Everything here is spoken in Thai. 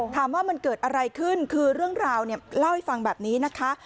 ว่ามันเกิดอะไรขึ้นคือเรื่องราวเนี่ยเล่าให้ฟังแบบนี้นะคะ